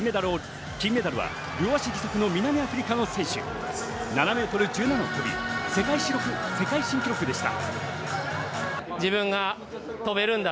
金メダルは両足義足の南アフリカの選手、７ｍ１７ｃｍを跳び、世界新記録でした。